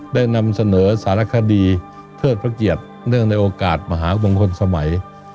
ได้นำเสนอสารคดีเทิดพระเกียรติเนื่องในโอกาสมหามงคลสมัย